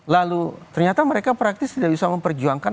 lalu ternyata mereka praktis tidak bisa memperjuangkan